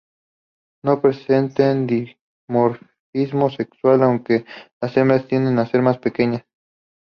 No presentan dimorfismo sexual, aunque las hembras tienden a ser más pequeñas.